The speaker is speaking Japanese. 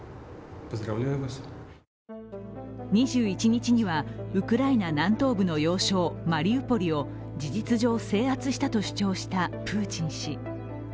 ２１日にはウクライナ南東部の要衝マリウポリを事実上制圧したと主張したプーチン氏。